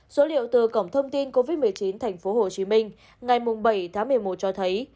số liệu từ cổng thông tin covid một mươi chín tp hcm ngày bảy tháng một mươi một cho thấy